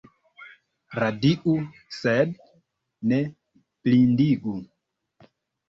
Radiu sed ne blindigu.